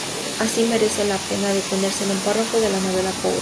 Así, merece la pena detenerse en un párrafo de la novela "Powder.